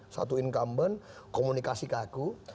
satu incumbent komunikasi kaku